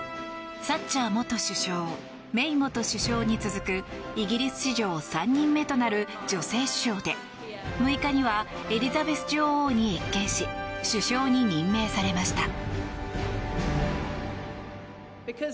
サッチャー元首相メイ元首相に続くイギリス史上３人目となる女性首相で６日にはエリザベス女王に謁見し首相に任命されました。